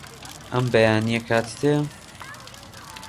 ئەم بەیانییە کاتت هەیە؟